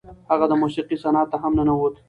هغه د موسیقۍ صنعت ته هم ننوت.